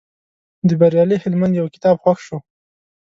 د بریالي هلمند یو کتاب خوښ شو.